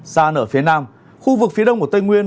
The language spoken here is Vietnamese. xa nở phía nam khu vực phía đông của tây nguyên